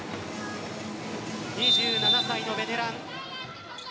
２７歳のベテラン。